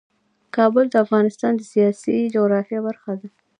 کابل د افغانستان د سیاسي جغرافیه برخه ده.